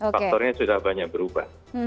faktornya sudah banyak berubah